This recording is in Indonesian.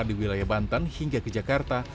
di wilayah banten hingga ke jakarta